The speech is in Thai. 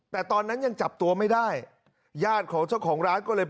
แต่ตอนนั้นยังจับตัวไม่ได้ญาติของเจ้าของร้านก็เลย